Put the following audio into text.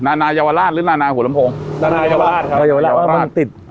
นานายวราชหรือนานาหัวลำโพงนานายเยาวราชครับก็เยาวราชว่ามันติด